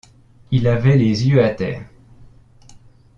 Il avait les yeux à terre.